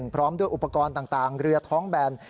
พร้อมด้วยอุปกรณ์ต่างเรือท้องแบน